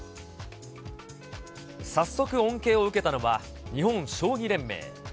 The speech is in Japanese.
早速恩恵を受けたのは、日本将棋連盟。